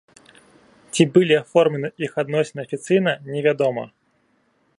Ці былі аформлены іх адносіны афіцыйна, невядома.